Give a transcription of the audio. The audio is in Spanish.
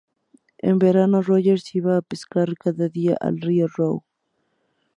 En verano Rogers iba a pescar cada día al río Rogue.